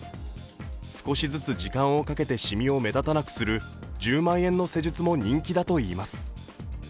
少しずつ時間をかけてしみを目立たなくする１０万円の施術も人気だといいます。